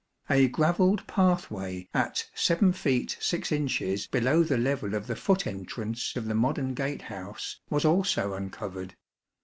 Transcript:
A gravelled pathway at 7ft. Gin. below the level of the foot entrance of the modern gate house was also uncovered.